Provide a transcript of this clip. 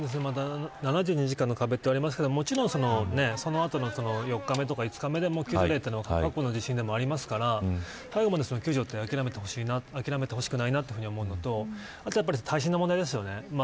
７２時間の壁といわれてますけどその後の４日目、５日目でも救助されたのは過去の地震でもありますから最後まで救助は諦めてほしくないなと思うのとあとは耐震の問題ですよね。